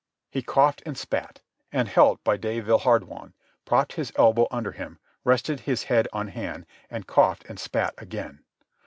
He coughed and spat, and, helped by de Villehardouin, propped his elbow under him, rested his head on hand, and coughed and spat again.